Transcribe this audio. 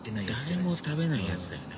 誰も食べないやつだよね。